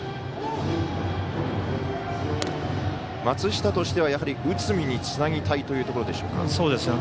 松下としては内海につなぎたいというところでしょうか。